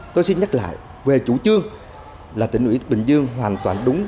tôi xin nhắc lại về chủ trương là tỉnh ủy bình dương hoàn toàn đúng